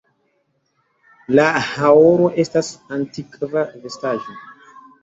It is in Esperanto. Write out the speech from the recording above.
La haoro estas antikva vestaĵo.